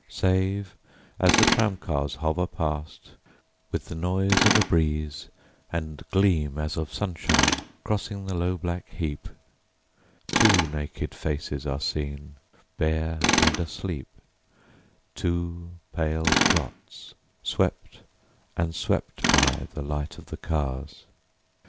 Save, as the tram cars hoverPast with the noise of a breezeAnd gleam as of sunshine crossing the low black heap, Two naked faces are seenBare and asleep, Two pale clots swept and swept by the light of the cars.